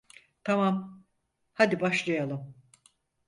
Tamam, hadi başlayalım.